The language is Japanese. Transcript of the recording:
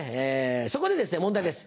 そこでですね問題です。